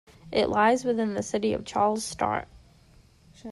It lies within the City of Charles Sturt.